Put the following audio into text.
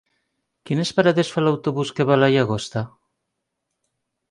Quines parades fa l'autobús que va a la Llagosta?